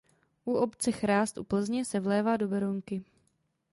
U obce Chrást u Plzně se vlévá do Berounky.